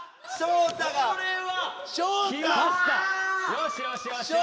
よしよしよしよし。